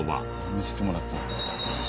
見せてもらったんだ。